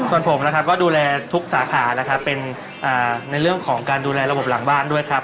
ส่วนผมนะครับก็ดูแลทุกสาขานะครับเป็นในเรื่องของการดูแลระบบหลังบ้านด้วยครับ